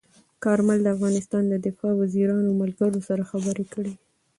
کارمل د افغانستان د دفاع وزیرانو او ملګرو سره خبرې کړي.